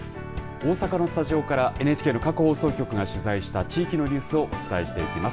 大阪のスタジオからＮＨＫの各放送局が取材したニュースをお伝えしていきます。